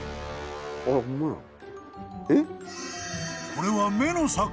［これは］